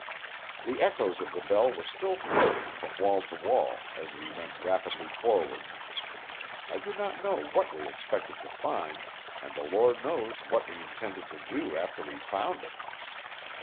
The echoes of the bell were still floating from wall to wall as we went rapidly forward. I do not know what we expected to find, and the Lord knows what we intended to do after we found it.